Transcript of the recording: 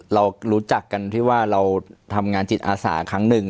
เรารู้จักกันที่ว่าเราทำงานจิตอาสาครั้งหนึ่ง